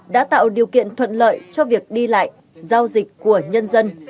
đã tạo điều kiện thuận lợi cho việc đi lại giao dịch của nhân dân